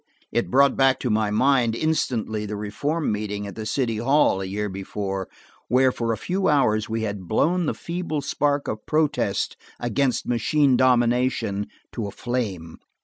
It brought back to my mind instantly the reform meeting at the city hall a year before, where for a few hours we had blown the feeble spark of protest against machine domination to a flame.